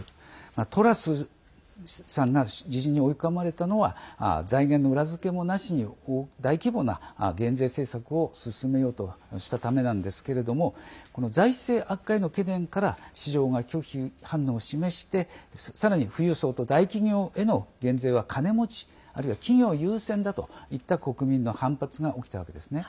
トラスさんが辞任に追い込まれたのは財源の裏付けもなしに大規模な減税政策を進めようとしたためなんですけど財政悪化への懸念から市場が拒否反応を示してさらに富裕層と大企業への減税は金持ちあるいは企業優先だといった国民の反発が起きたわけですね。